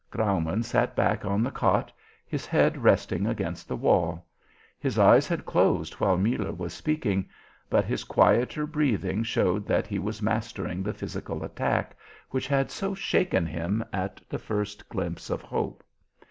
Graumaun sat back on the cot, his head resting against the wall. His eyes had closed while Muller was speaking, but his quieter breathing showed that he was mastering the physical attack which had so shaken him at the first glimpse of hope.